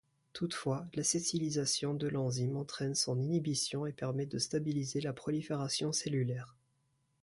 Toutefois, l'acétylation de l'enzyme entraîne son inhibition et permet de stabiliser la prolifération cellulaire.